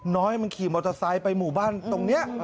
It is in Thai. น้อยมันขี่มอเตอร์ไซค์ไปหมู่บ้านตรงนี้